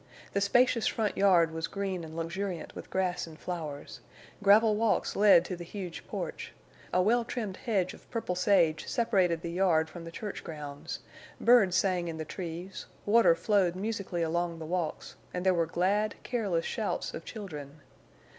The spacious front yard was green and luxuriant with grass and flowers; gravel walks led to the huge porch; a well trimmed hedge of purple sage separated the yard from the church grounds; birds sang in the trees; water flowed musically along the walks; and there were glad, careless shouts of children.